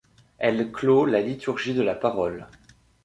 Elle clôt la liturgie de la Parole.